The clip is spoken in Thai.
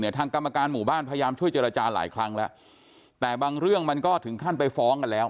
ทางกรรมการหมู่บ้านพยายามช่วยเจรจาหลายครั้งแล้วแต่บางเรื่องมันก็ถึงขั้นไปฟ้องกันแล้ว